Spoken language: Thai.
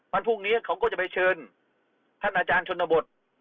วันพรุ่งนี้เขาก็จะไปเชิญท่านอาจารย์ชนบท